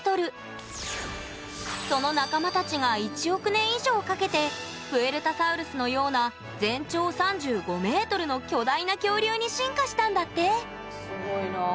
その仲間たちが１億年以上かけてプエルタサウルスのような全長３５ｍの巨大な恐竜に進化したんだって！